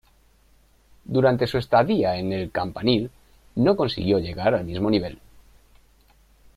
Durante su estadía en el "Campanil" no consiguió llegar al mismo nivel.